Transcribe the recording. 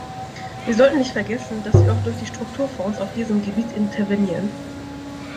Wir sollten nicht vergessen, dass wir auch durch die Strukturfonds auf diesem Gebiet intervenieren.